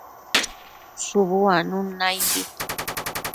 Shubu uanun naimbi